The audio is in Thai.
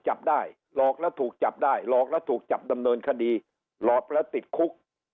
จับได้หลอกแล้วถูกจับได้หลอกแล้วถูกจับดำเนินคดีหลอกแล้วติดคุก